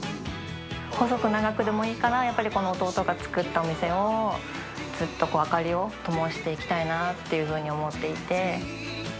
細く長くでもいいから、やっぱりこの弟が作ったお店を、ずっとこう、明かりをともしていきたいなっていうふうに思っていて。